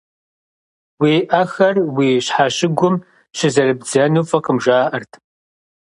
Уи ӏэхэр уи щхьэщыгум щызэрыбдзэну фӏыкъым жаӏэрт.